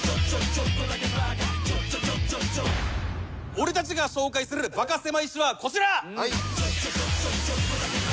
俺たちが紹介するバカせまい史はこちら。